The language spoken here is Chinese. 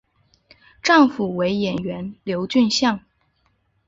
丈夫为演员刘俊相。